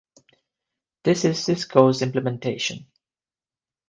This is Cisco's implementation.